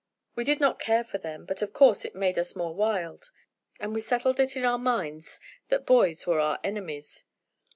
We did not care for them, but of course it made us more wild, and we settled it in our minds that boys were our enemies.